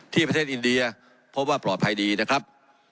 ประเทศอินเดียพบว่าปลอดภัยดีนะครับ